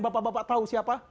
bapak bapak tahu siapa